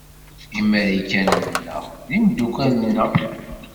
Imarikanen-a d imdukal-nneɣ.